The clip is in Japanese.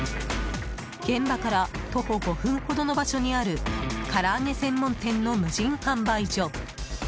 現場から徒歩５分ほどの場所にあるから揚げ専門店の無人販売所。